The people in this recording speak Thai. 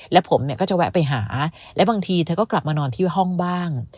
และผมเนี่ยก็จะแวะไปหาและบางทีเธอก็กลับมานอนที่ห้องบ้าง